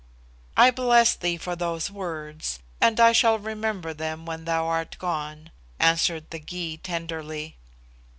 '" "I bless thee for those words, and I shall remember them when thou art gone," answered the Gy, tenderly.